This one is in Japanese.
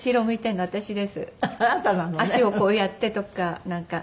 足をこうやってとかなんか。